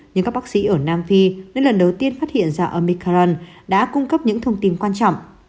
nhưng các bác sĩ ở nam phi nơi lần đầu tiên phát hiện ra omikaran đã cung cấp những thông tin quan trọng